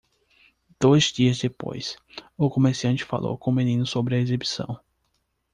Dois dias depois, o comerciante falou com o menino sobre a exibição.